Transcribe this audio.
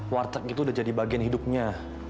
warteg itu udah jadi bagian hidupnya